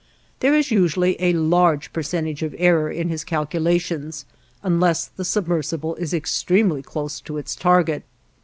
There is usually a large percentage of error in his calculations unless the submersible is extremely close to its target.